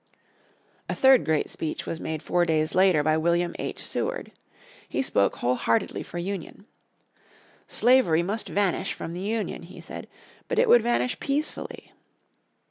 A third great speech was made four days later by William H. Seward. He spoke whole heartedly for union. "Slavery must vanish from the Union," he said, "but it would vanish peacefully."